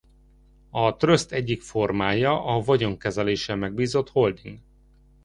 A tröszt egyik formája a vagyonkezeléssel megbízott holding.